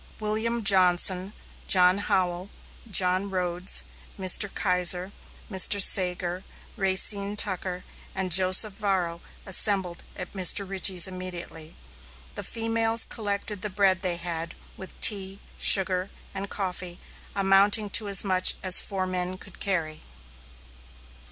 William Johnson, John Howell, John Rhodes, Mr. Keiser, Mr. Sagur, Racine Tucker, and Joseph Varro assembled at Mr. Richey's immediately. The females collected the bread they had, with tea, sugar, and coffee, amounting to as much as four men could carry.